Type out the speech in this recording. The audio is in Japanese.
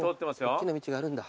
おっきな道があるんだ。